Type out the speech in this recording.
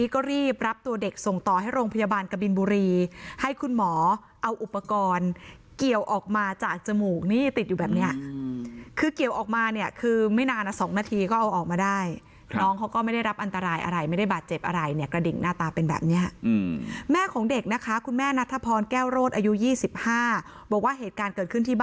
ก็รีบรับตัวเด็กส่งต่อให้โรงพยาบาลกบินบุรีให้คุณหมอเอาอุปกรณ์เกี่ยวออกมาจากจมูกนี่ติดอยู่แบบเนี้ยคือเกี่ยวออกมาเนี่ยคือไม่นาน๒นาทีก็เอาออกมาได้น้องเขาก็ไม่ได้รับอันตรายอะไรไม่ได้บาดเจ็บอะไรเนี่ยกระดิ่งหน้าตาเป็นแบบนี้แม่ของเด็กนะคะคุณแม่นัทพรแก้วโรดอายุ๒๕บอกว่าเหตุการณ์เกิดขึ้นที่บ